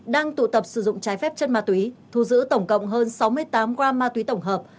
đang tụ tập sử dụng trái phép chất ma túy thu giữ tổng cộng hơn sáu mươi tám gram ma túy tổng hợp